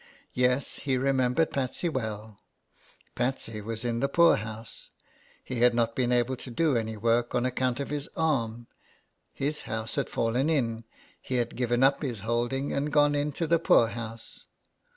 Yes, he remembered Patsy well. Patsy was in the poor house. He had not been able to do any work on account of his arm ; his house had fallen in ; he had given up his holding and gone into the poor house.